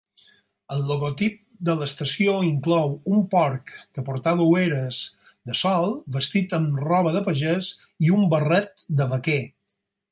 El logotip de l'estació inclou un porc que portava ulleres de sol vestit amb roba de pagès i un barret de vaquer.